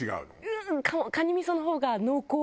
うーんカニ味噌の方が濃厚。